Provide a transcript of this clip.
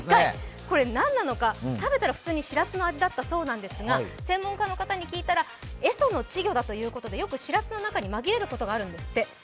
これ、何なのか、食べたら普通にしらすの味だったそうですが専門家の方に聞いたらエソの稚魚だということでよく、しらすの中に紛れることがあるんですって。